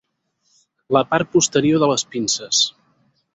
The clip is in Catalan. La part posterior de les pinces.